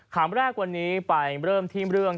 คำแรกวันนี้ไปเริ่มที่เรื่อง